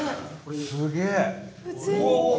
すげえ。